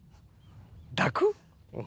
抱く？